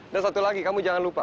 dan satu lagi kamu jangan lupa